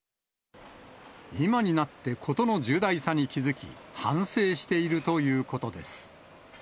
今になって事の重大さに気付き、反省しているということです。